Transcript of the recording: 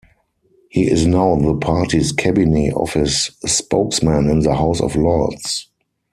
He is now the party's Cabinet Office spokesman in the House of Lords.